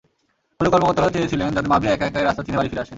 ফলে কর্মকর্তারা চেয়েছিলেন যাতে মাবিয়া একা একাই রাস্তা চিনে বাড়ি ফিরে আসেন।